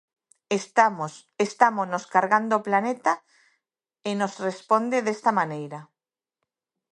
Estámonos cargando o planeta e nos responde desta maneira.